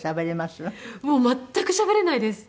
もう全くしゃべれないです。